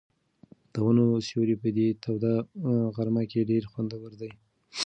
د ونو سیوری په دې توده غرمه کې ډېر خوندور دی.